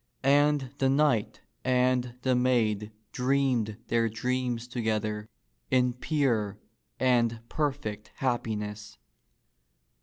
And the knight and the maid dreamed their dreams together in pure and perfect hap piness.